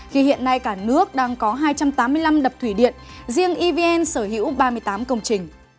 khi hiện nay cả nước đang có hai trăm tám mươi năm đập thủy điện riêng evn sở hữu ba mươi tám công trình